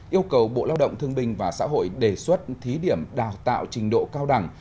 yêu cầu bộ lao động thương binh và xã hội đề xuất thí điểm đào tạo trình độ cao đẳng